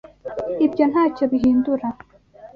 Ibyo ntacyo bihindura.